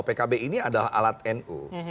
pkb ini adalah alat nu